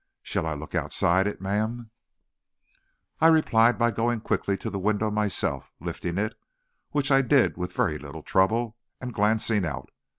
Shall I look outside it, ma'am?" I replied by going quickly to the window myself, lifting it, which I did with very little trouble, and glancing out.